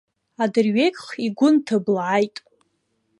Адырҩегьх игәы нҭыблааит.